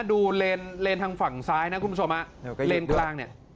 เลนทางฝั่งซ้ายนะคุณผู้ชมฮะเลนกลางเนี่ย